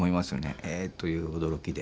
「え！」という驚きで。